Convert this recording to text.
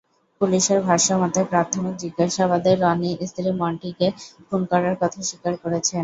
পুলিশের ভাষ্যমতে, প্রাথমিক জিজ্ঞাসাবাদে রনি স্ত্রী মন্টিকে খুন করার কথা স্বীকার করেছেন।